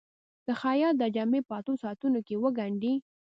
که خیاط دا جامې په اتو ساعتونو کې وګنډي.